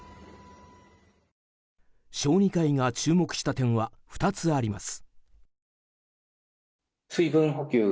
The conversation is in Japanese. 小児科医が注目した点は２つあります。